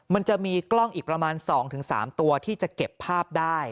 มันจะมีกล้องอีกประมาณ๒๓ตัวที่จะเก็บภาพได้